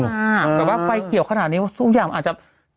อ่าแบบว่าไปเกี่ยวขนาดนี้ว่าซุ่มย่ำอาจจะ